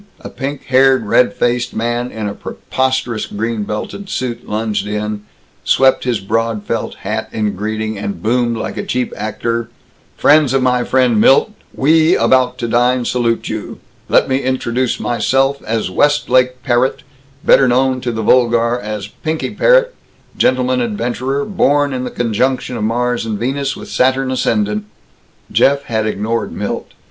A pink haired, red faced man in a preposterous green belted suit lunged in, swept his broad felt hat in greeting, and boomed like a cheap actor: "Friends of my friend Milt, we about to dine salute you. Let me introduce myself as Westlake Parrott, better known to the vulgar as Pinky Parrott, gentleman adventurer, born in the conjunction of Mars and Venus, with Saturn ascendant." Jeff had ignored Milt.